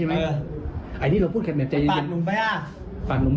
มันเอาลายแทงเขาดู